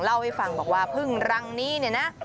เล่าให้ฟังบอกว่าพึ่งรังนี้เนี่ยนะ